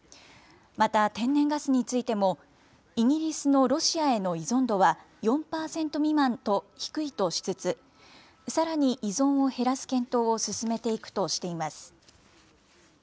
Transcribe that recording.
また天然ガスについても、イギリスのロシアへの依存度は４％未満と低いとしつつ、さらに依存を減らす検討を進めていくとしています。